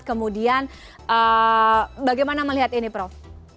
kemudian bagaimana melihat ini prof